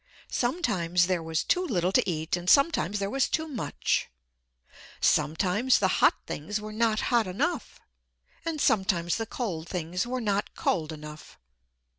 Sometimes there was too little to eat and sometimes there was too much. Sometimes the hot things were not hot enough and sometimes the cold things were not cold enough.